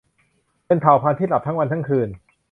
เป็นเผ่าพันธุ์ที่หลับทั้งวันทั้งคืน